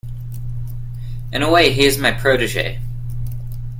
In a way he is my protege.